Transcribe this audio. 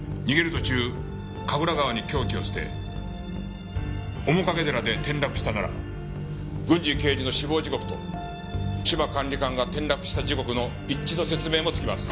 途中神楽川に凶器を捨て面影寺で転落したなら郡侍刑事の死亡時刻と芝管理官が転落した時刻の一致の説明もつきます。